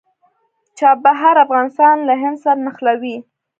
چابهار افغانستان له هند سره نښلوي